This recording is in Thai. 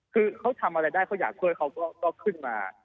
คือเขาทำอะไรได้เขาอยากช่วยเขาก็ขึ้นมา